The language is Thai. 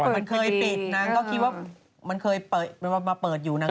มันเคยปิดนางก็คิดว่ามันเคยมาเปิดอยู่นะ